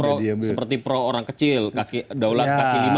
terus pro seperti pro orang kecil kaki daulat kaki lima gitu misalnya